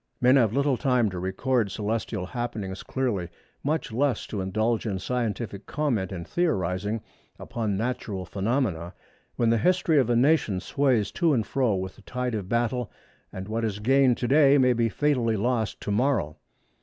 Men have little time to record celestial happenings clearly, much less to indulge in scientific comment and theorising upon natural phenomena, when the history of a nation sways to and fro with the tide of battle, and what is gained to day may be fatally lost to morrow.